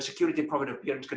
kelihatan yang membuat keamanan